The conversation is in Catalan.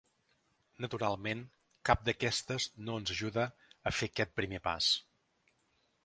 Naturalment, cap d'aquestes no ens ajuda a fer aquest primer pas.